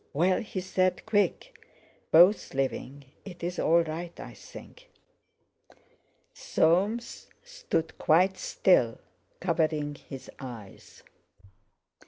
"Well?" he said; "quick!" "Both living; it's all right, I think." Soames stood quite still, covering his eyes.